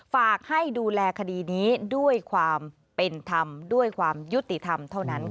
ฝากให้ดูแลคดีนี้ด้วยความเป็นธรรมด้วยความยุติธรรมเท่านั้นค่ะ